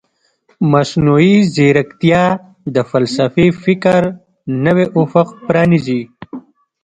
مصنوعي ځیرکتیا د فلسفي فکر نوی افق پرانیزي.